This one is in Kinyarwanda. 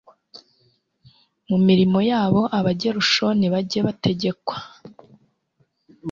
Mu mirimo yabo Abagerushoni bajye bategekwa